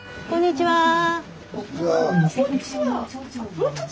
こんにちは。